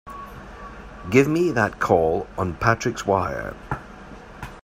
Give me that call on Patrick's wire!